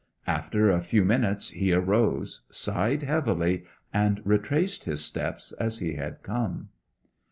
After a few minutes he arose, sighed heavily, and retraced his steps as he had come.